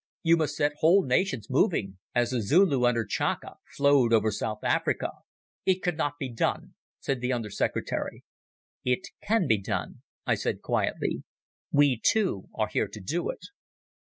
You must set whole nations moving, as the Zulu under Tchaka flowed over South Africa." "It cannot be done," said the Under Secretary. "It can be done," I said quietly. "We two are here to do it."